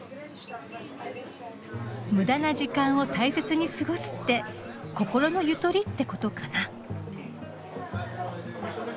無駄な時間を大切に過ごすって心のゆとりってことかな。